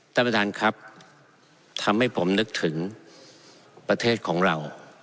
ท่านประธานครับทำให้ผมนึกถึงประเทศของเรา